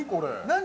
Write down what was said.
何？